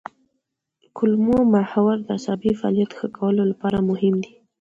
کولمو محور د عصبي فعالیت ښه کولو لپاره مهم دی.